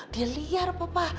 dia liar papa